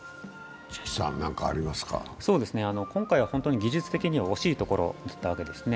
今回は本当に技術的には惜しいところだったわけですね。